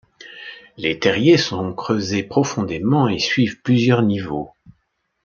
Les terriers sont creusés profondément et suivent plusieurs niveaux.